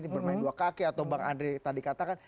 bermain dua kaki atau bang andre tadi katakan